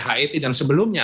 hit dan sebelumnya